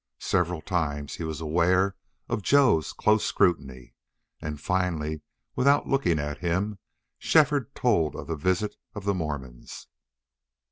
Several times he was aware of Joe's close scrutiny, and finally, without looking at him, Shefford told of the visit of the Mormons.